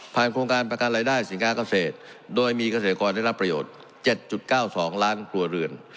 โครงการประกันรายได้สินค้าเกษตรโดยมีเกษตรกรได้รับประโยชน์๗๙๒ล้านครัวเรือน